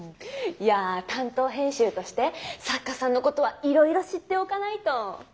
いや担当編集として作家さんのことはいろいろ知っておかないと。